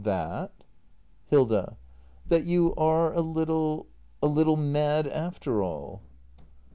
That ? Hilda. That you area little — a little mad after all.